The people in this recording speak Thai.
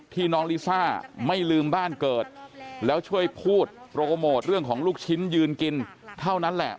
น้องลิซ่าไม่ลืมบ้านเกิดแล้วช่วยพูดโปรโมทเรื่องของลูกชิ้นยืนกินเท่านั้นแหละ